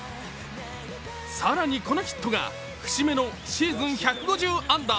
更に、このヒットが節目のシーズン１５０安打。